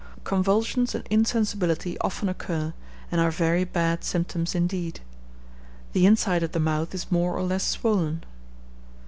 Convulsions and insensibility often occur, and are very bad symptoms indeed. The inside of the mouth is more or less swollen.